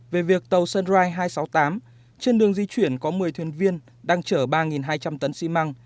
về việc tàu sunrise hai trăm sáu mươi tám trên đường di chuyển có một mươi thuyền viên đang chở ba hai trăm linh tấn xi măng